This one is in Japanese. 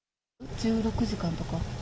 １６時間とか。